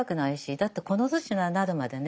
だってこの年になるまでね